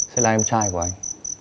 sẽ là em trai của anh